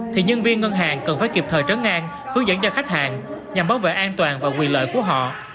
thì nhân viên ngân hàng cần phải kịp thời trấn an hướng dẫn cho khách hàng nhằm bảo vệ an toàn và quyền lợi của họ